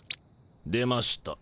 出ました。